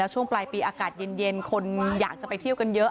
ช่วงปลายปีอากาศเย็นคนอยากจะไปเที่ยวกันเยอะ